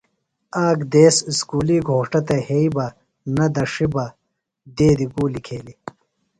آک دیس اُسکُلی گھوݜٹہ یھئی نہ دڇھیۡ بہ دیدیۡ گُولیۡ کھییلیۡ۔